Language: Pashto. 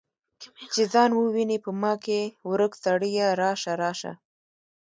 چې ځان وویني په ما کې ورک سړیه راشه، راشه